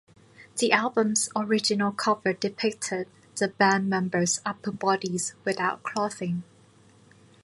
The album's original cover depicted the band members' upper bodies without clothing.